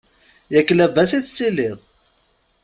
Yak labas i tettiliḍ!